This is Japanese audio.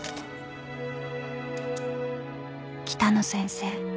［北野先生。